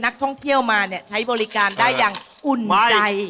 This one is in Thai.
นักท่องเที่ยวมาเนี่ยใช้บริการได้อย่างอุ่นใจ